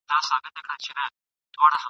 ستا نصیحت مي له کرداره سره نه جوړیږي !.